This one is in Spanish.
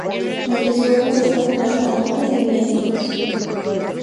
Entre sus obras, destacan las cantatas y villancicos.